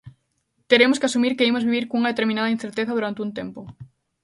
Teremos que asumir que imos vivir cunha determinada incerteza durante un tempo.